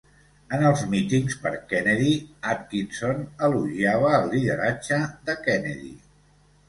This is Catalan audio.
En els mítings per Kennedy, Atkinson elogiava el lideratge de Kennedy.